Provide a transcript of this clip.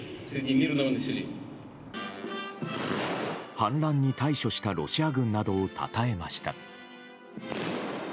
反乱に対処したロシア軍などをたたえました。